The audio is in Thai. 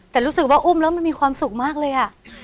แต่รู้สึกว่าอุ้มแล้วมันมีความสุขมากเลยอ่ะ